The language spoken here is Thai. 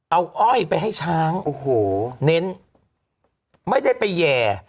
เอาอ้อยไปให้ช้างโอ้โหเน้นไม่ได้ไปแห่